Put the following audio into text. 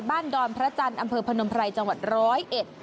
ดอนพระจันทร์อำเภอพนมไพรจังหวัดร้อยเอ็ด